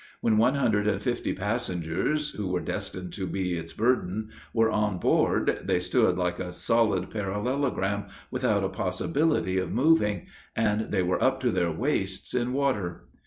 When one hundred and fifty passengers who were destined to be its burden, were on board, they stood like a solid parallelogram, without a possibility of moving; and they were up to their waists in water.